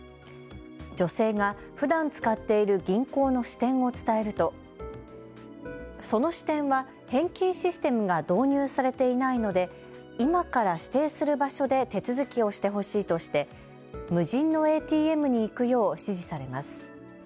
女性がふだん使っている銀行の支店を伝えるとその支店は返金システムが導入されていないので今から指定する場所で手続きをしてほしいとして無人のＡＴＭに行くよう指示されます。